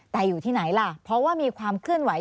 แต่อยู่ที่ไหนล่ะเพราะว่ามีความเคลื่อนไหว